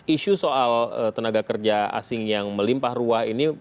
isu soal tenaga kerja asing yang melimpah ruah ini